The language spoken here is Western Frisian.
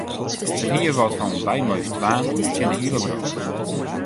It hie wat fan wy mei ús twaen tsjin de hiele wrâld.